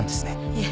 いえ。